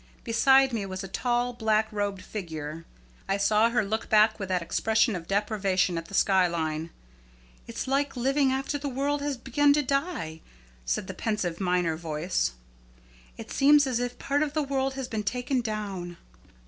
Beside me was a tall, black robed figure. I saw her look back with that expression of deprivation at the sky line. "It's like living after the world has begun to die," said the pensive minor voice. "It seems as if part of the world had been taken down."